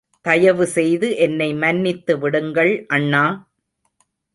தயவு செய்து என்னை மன்னித்து விடுங்கள் அண்ணா.